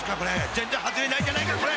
全然外れないじゃないかこれ］